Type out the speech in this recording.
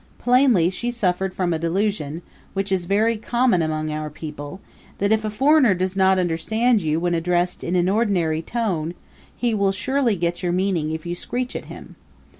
Plainly she suffered from a delusion, which is very common among our people, that if a foreigner does not understand you when addressed in an ordinary tone, he will surely get your meaning if you screech at him.